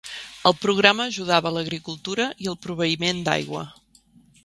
El programa ajudava l'agricultura i el proveïment d'aigua.